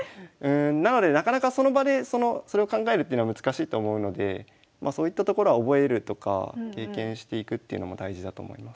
なのでなかなかその場でそれを考えるっていうのは難しいと思うのでそういったところは覚えるとか経験していくっていうのも大事だと思います。